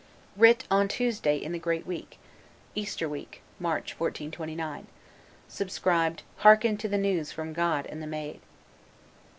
"Writ on Tuesday in the great week." [Easter week, March, 1429]. Subscribed: "Hearken to the news from God and the Maid."